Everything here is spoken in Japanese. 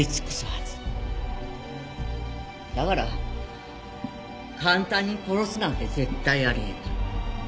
だから簡単に殺すなんて絶対あり得ない。